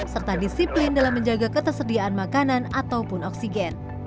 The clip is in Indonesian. serta disiplin dalam menjaga ketersediaan makanan ataupun oksigen